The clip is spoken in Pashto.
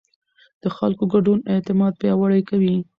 د خلکو ګډون اعتماد پیاوړی کوي